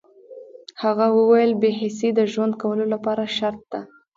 هغه وویل بې حسي د ژوند کولو لپاره شرط ده